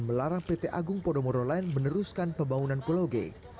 melarang pt agung podomoro lain meneruskan pembangunan pulau g